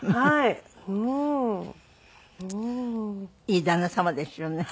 いい旦那様ですよね。